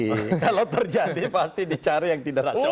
kalau terjadi pasti dicari yang tidak racun